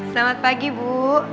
selamat pagi bu